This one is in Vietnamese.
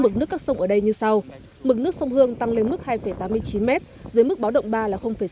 mực nước các sông ở đây như sau mực nước sông hương tăng lên mức hai tám mươi chín m dưới mức báo động ba là sáu